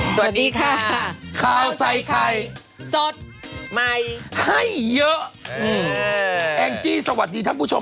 สวัสดีค่ะข้าวใส่ไข่สดใหม่ให้เยอะอืมแองจี้สวัสดีท่านผู้ชม